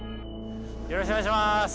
よろしくお願いします。